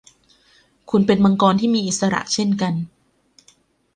คุณเป็นมังกรที่มีอิสระเช่นกัน